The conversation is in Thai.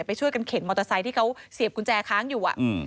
ไปช่วยกันเข็นมอเตอร์ไซค์ที่เขาเสียบกุญแจค้างอยู่